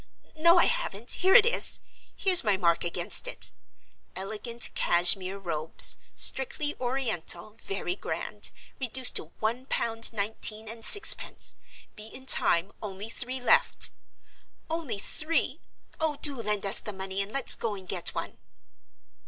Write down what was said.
No, I haven't. Here it is; here's my mark against it. _Elegant Cashmere Robes; strictly Oriental, very grand; reduced to one pound nineteen and sixpence. Be in time. Only three left._ Only three! Oh, do lend us the money, and let's go and get one!"